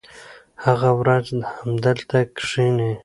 هغه هره ورځ همدلته کښېني.